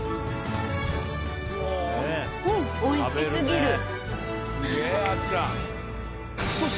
おいし過ぎる。